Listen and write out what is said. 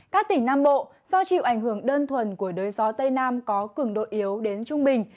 các tỉnh nam bộ do chịu ảnh hưởng đơn thuần của đới gió tây nam có cường độ yếu đến trung bình